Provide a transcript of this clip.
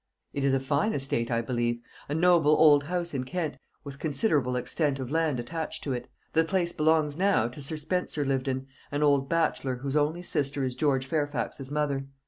"It is a fine estate, I believe; a noble old house in Kent, with considerable extent of land attached to it. The place belongs now to Sir Spencer Lyvedon, an old bachelor, whose only sister is George Fairfax's mother.